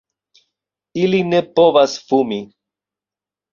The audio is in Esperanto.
Ili ne povas fumi.